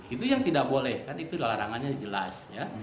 itu yang tidak boleh kan itu larangannya jelas ya